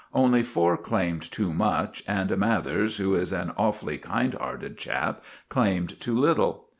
Only four claimed too much, and Mathers, who is an awfully kind hearted chap, claimed too little.